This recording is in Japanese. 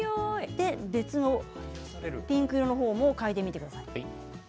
別のピンク色の方も嗅いでみてください。